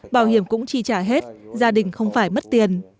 bảo hiểm cũng chi trả hết gia đình không phải mất tiền